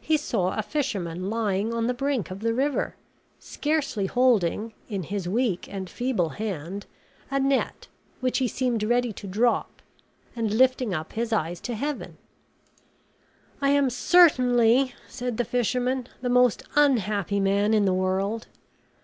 He saw a fisherman lying on the brink of the river, scarcely holding, in his weak and feeble hand, a net which he seemed ready to drop, and lifting up his eyes to Heaven. "I am certainly," said the fisherman, "the most unhappy man in the world.